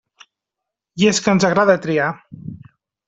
I és que ens agrada triar.